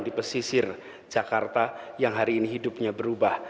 di pesisir jakarta yang hari ini hidupnya berubah